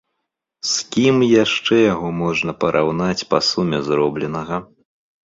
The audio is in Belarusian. З кім яшчэ яго можна параўнаць па суме зробленага?